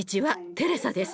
テレサです。